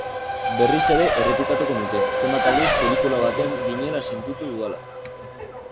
Berriz ere errepikatuko nuke zenbat aldiz pelikula batean ginela sentitu dudala.